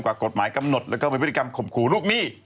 กว่ากฎหมายกำหนดแล้วก็เป็นบริกรรมขมขู่ลูกมี่